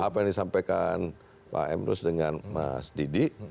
apa yang disampaikan pak emrus dengan mas didi